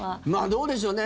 どうでしょうね。